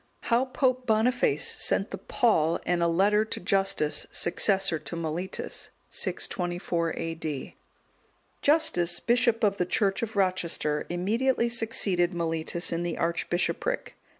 How Pope Boniface sent the Pall and a letter to Justus, successor to Mellitus. [624 A.D.] Justus, bishop of the church of Rochester, immediately succeeded Mellitus in the archbishopric.